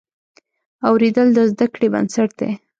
اورېدل د زده کړې بنسټ دی.